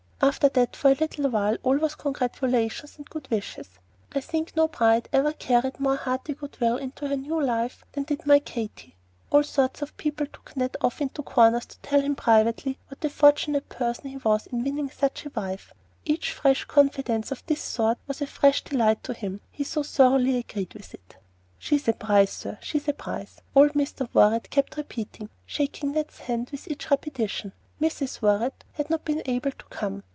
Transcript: After that for a little while all was congratulations and good wishes. I think no bride ever carried more hearty good will into her new life than did my Katy. All sorts of people took Ned off into corners to tell him privately what a fortunate person he was in winning such a wife. Each fresh confidence of this sort was a fresh delight to him, he so thoroughly agreed with it. "She's a prize, sir! she's a prize!" old Mr. Worrett kept repeating, shaking Ned's hand with each repetition. Mrs. Worrett had not been able to come.